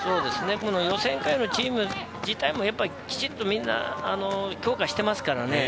予選会のチーム自体もきちんと強化していますからね。